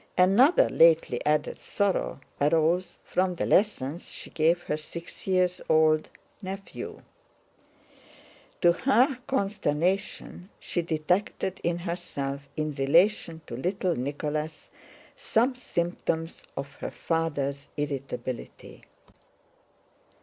Another lately added sorrow arose from the lessons she gave her six year old nephew. To her consternation she detected in herself in relation to little Nicholas some symptoms of her father's irritability.